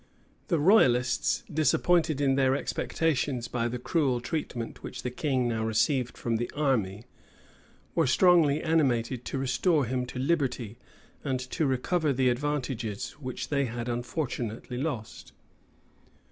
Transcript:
The royalists, disappointed in their expectations by the cruel treatment which the king now received from the army, were strongly animated to restore him to liberty, and to recover the advantages which they had unfortunately lost.